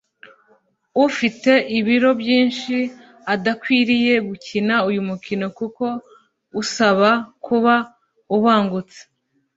ufite iboro byinshi adakwiriye gukina uyu mukino kuko usaba kuba ubangutse